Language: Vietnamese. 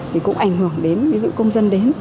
thì cũng ảnh hưởng đến ví dụ công dân đến